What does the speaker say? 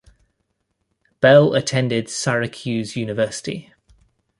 Bell attended Syracuse University.